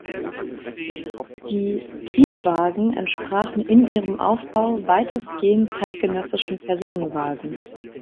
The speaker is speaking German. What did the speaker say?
Die Triebwagen entsprachen in ihrem Aufbau weitestgehend zeitgenössischen Personenwagen.